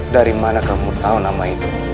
dari mana kamu tahu nama itu